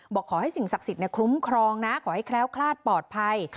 บอกขอให้สิ่งศักดิ์สิทธิ์คลุ้มครองนะขอให้แคล้วคลาดปลอดภัย